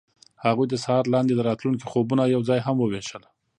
هغوی د سهار لاندې د راتلونکي خوبونه یوځای هم وویشل.